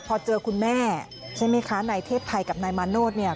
พอเจอคุณแม่ใช่ไหมคะนายเทพไทยกับนายมาโนธเนี่ย